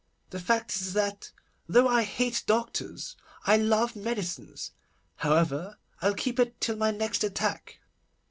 The fact is that, though I hate doctors, I love medicines. However, I'll keep it till my next attack.